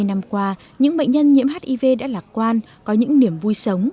hai mươi năm qua những bệnh nhân nhiễm hiv đã lạc quan có những niềm vui sống